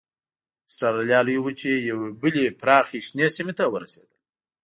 اسټرالیا لویې وچې یوې بلې پراخې شنې سیمې ته ورسېدل.